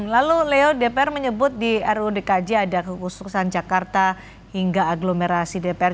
lalu leo dpr menyebut di rudkj ada kekhususan jakarta hingga agglomerasi dpr